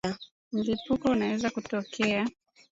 Mlipuko unaweza kutokea